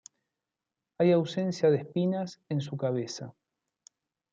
Hay ausencia de espinas en su cabeza.